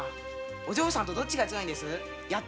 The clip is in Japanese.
お嬢さんとどっちが強いんです？